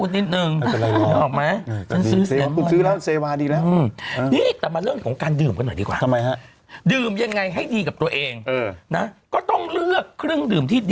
ถ้าคุณว่านั้นฉันพูดนิดนึง